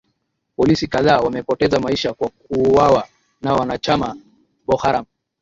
polisi kadhaa wamepoteza maisha kwa kuuwawa na wanachama bokharam